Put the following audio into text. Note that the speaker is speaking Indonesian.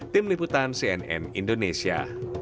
tim liputan cnn indonesia